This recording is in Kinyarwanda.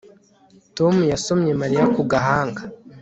Tom yasomye Mariya ku gahanga